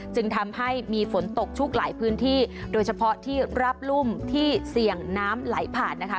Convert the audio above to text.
จึงทำให้มีฝนตกชุกหลายพื้นที่โดยเฉพาะที่รับรุ่มที่เสี่ยงน้ำไหลผ่านนะคะ